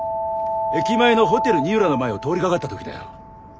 駅前のホテル二浦の前を通りかかった時だよ。